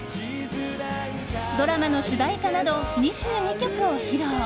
ドラマの主題歌など２２曲を披露。